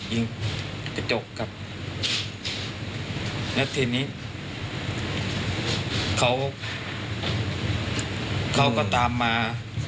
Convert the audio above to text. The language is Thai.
ยิงกระจกครับแล้วทีนี้เขาเขาก็ตามมา